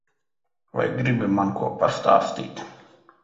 Vai gribi man ko pastāstīt?